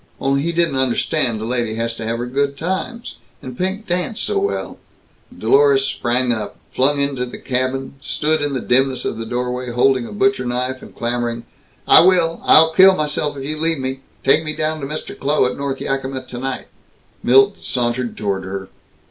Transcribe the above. Only he didn't understand a lady has to have her good times, and Pink danced so well " Dlorus sprang up, flung into the cabin, stood in the dimness of the doorway, holding a butcher knife and clamoring, "I will! I'll kill myself if you leave me! Take me down to Mr. Kloh, at North Yakima, tonight!" Milt sauntered toward her.